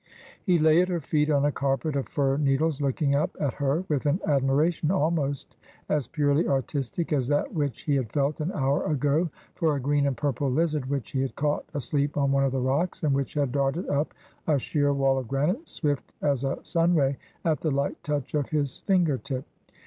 He lay at her feet, on a carpet of fir needles, looking up at her with an admiration almost as purely artistic as that which he had felt an hour ago for a green and purple lizard which he had caught asleep on one of the rocks, and which had darted up a sheer wall of granite, swift as a sun ray, at the light touch of his finger tip.